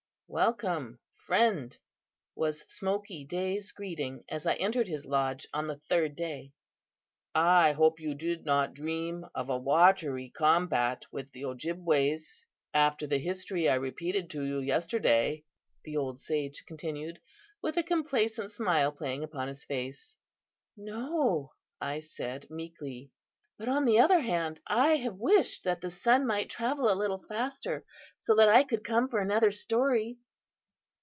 (welcome, friend!) was Smoky Day's greeting, as I entered his lodge on the third day. "I hope you did not dream of a watery combat with the Ojibways, after the history I repeated to you yesterday," the old sage continued, with a complaisant smile playing upon his face. "No," I said, meekly, "but, on the other hand, I have wished that the sun might travel a little faster, so that I could come for another story."